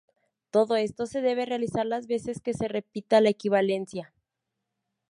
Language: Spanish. Todo esto se debe realizar las veces que se repita la equivalencia.